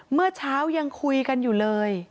เมื่อเช้ายังคุยกันอยู่เลย